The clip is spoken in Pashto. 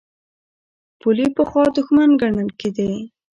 پولې پخوا دښمن ګڼل کېدې.